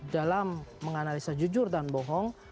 dalam menganalisa jujur dan bohong